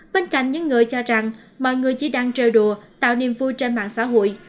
bên cạnh những người cho rằng mọi người chỉ đang chơi đùa tạo niềm vui trên mạng xã hội